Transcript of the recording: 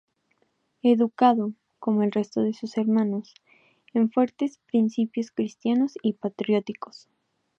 Educado, como el resto de sus hermanos, en fuertes principios cristianos y patrióticos.